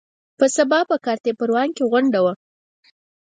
په سبا په کارته پروان کې غونډه وه.